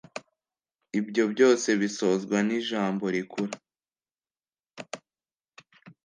Ibyo byose bisozwa ni jambo rikuru